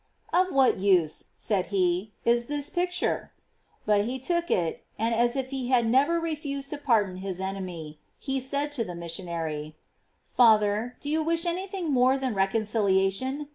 " Of what use," said he, " is this picture?" But he took it, and as if he had never refused to pardon his enemy, he said to the missionary, " Father, do you wish anything more than reconciliation?